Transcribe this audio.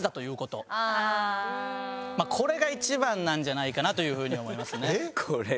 まあこれが一番なんじゃないかなというふうに思いますね。